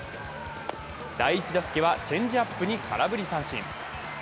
第１打席はチェンジアップに空振り三振。